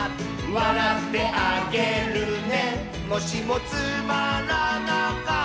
「わらってあげるね」